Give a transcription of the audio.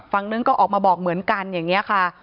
ฝั่งนึงก็ออกมาบอกเหมือนกันอย่างนี้ค่ะ